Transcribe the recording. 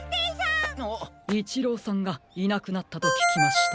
イチローさんがいなくなったとききました。